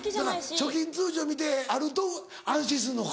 だから貯金通帳見てあると安心するのか。